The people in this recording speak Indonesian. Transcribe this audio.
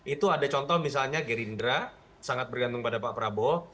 itu ada contoh misalnya gerindra sangat bergantung pada pak prabowo